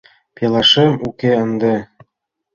Пелашем уке ынде